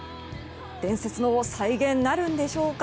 伝説の再現なるんでしょうか。